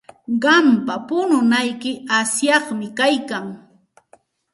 Qampa pununayki asyaqmi kaykan.